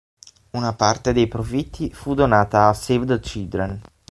Una parte dei profitti fu donata a Save the Children.